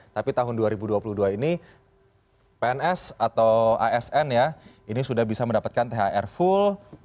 tapi tahun dua ribu dua puluh dua ini pns atau asn ya ini sudah bisa mendapatkan thr full